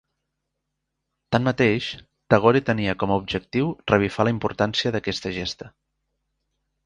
Tanmateix, Tagore tenia com a objectiu revifar la importància d'aquesta gesta.